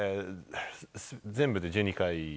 全部で１２回。